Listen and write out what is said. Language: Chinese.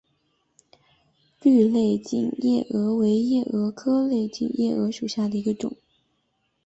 绿类锦夜蛾为夜蛾科类锦夜蛾属下的一个种。